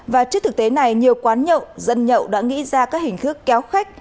và trước thực tế này nhiều quán nhậu dân nhậu đã nghĩ ra các hình thức kéo khách